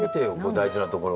大事なところ。